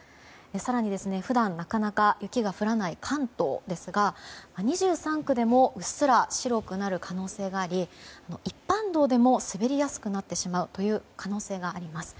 更に普段、なかなか雪が降らない関東ですが２３区でもうっすら白くなる可能性があり一般道でも滑りやすくなってしまう可能性があります。